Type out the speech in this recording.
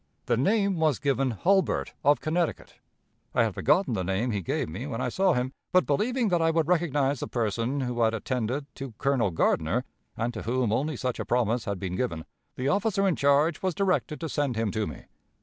The name was given Hulburt, of Connecticut. I had forgotten the name he gave when I saw him; but, believing that I would recognize the person who had attended to Colonel Gardner, and to whom only such a promise had been given, the officer in charge was directed to send him to me.